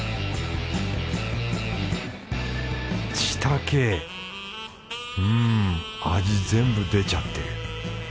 ちたけうん味全部出ちゃってる。